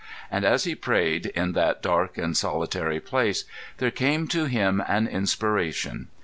And as he prayed in that dark and solitary place there came to him an inspiration.